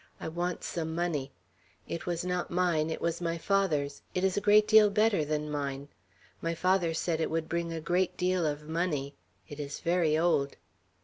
I want some money. It was not mine; it was my father's. It is a great deal better than mine. My father said it would bring a great deal of money. It is very old."